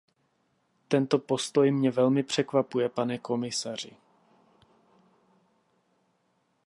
Tento postoj mě velmi překvapuje, pane komisaři.